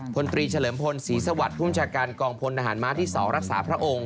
พลตรีเฉลิมพลศรีสวัสดิ์ภูมิชาการกองพลทหารม้าที่๒รักษาพระองค์